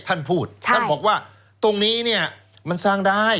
มาบอกว่าตรงนี้นี่มันสร้างได้